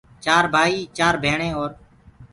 چار ڀائيٚ، چآر ڀيڻي اور